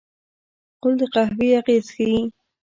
غول د قهوې اغېز ښيي.